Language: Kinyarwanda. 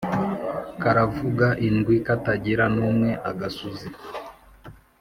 Karavuga indwi katagira n'umwe-Agasuzi.